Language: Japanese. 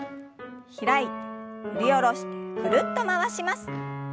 開いて振り下ろしてぐるっと回します。